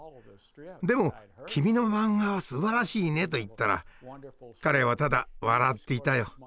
でも「君のマンガはすばらしいね」と言ったら彼はただ笑っていたよ。